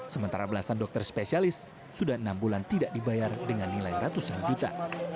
sementara belasan dokter spesialis sudah enam bulan tidak dibayar dengan nilai ratusan juta